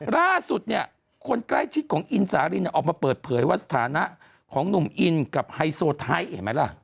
ล่าสุดเนี่ยคนใกล้ชิดของอินสารินออกมาเปิดเผยว่าสถานะของหนุ่มอินกับไฮโซไทยเห็นไหมล่ะ